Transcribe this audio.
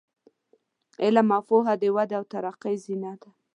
علم او پوهه د ودې او ترقۍ زینه ده.